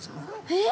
えっ？